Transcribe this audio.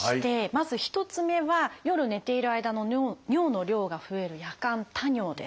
まず１つ目は夜寝ている間の尿の量が増える「夜間多尿」です。